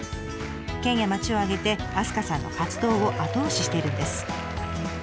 県や町を挙げて明日香さんの活動を後押ししているんです。